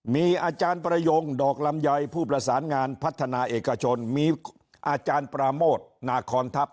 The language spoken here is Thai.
มีอาจารย์ประยงดอกลำไยผู้ประสานงานพัฒนาเอกชนมีอาจารย์ปราโมทนาคอนทัพ